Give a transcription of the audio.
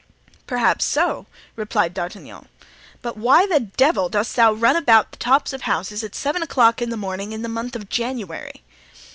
"Perhaps so," replied D'Artagnan. "But why the devil dost thou run about the tops of houses at seven o'clock of the morning in the month of January?"